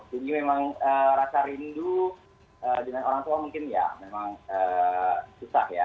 jadi memang rasa rindu dengan orang tua mungkin ya memang susah ya